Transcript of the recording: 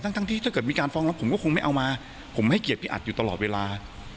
ทั้งทั้งที่ถ้าเกิดมีการฟ้องรับผมก็คงไม่เอามาผมให้เกียรติพี่อัดอยู่ตลอดเวลา